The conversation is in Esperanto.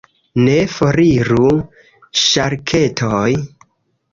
Ne, foriru ŝarketoj!